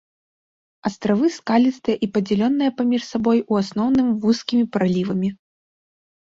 Астравы скалістыя і падзеленыя паміж сабой у асноўным вузкімі пралівамі.